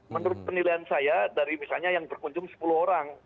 menurut penilaian saya dari misalnya yang berkunjung sepuluh orang